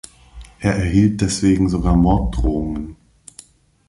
Er erhielt deswegen sogar Morddrohungen.